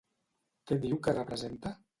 Què diu que representa?